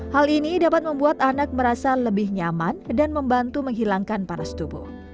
hal ini dapat membuat anak merasa lebih nyaman dan membantu menghilangkan panas tubuh